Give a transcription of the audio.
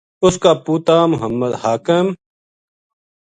اس کا پُوتاں محمد حاکم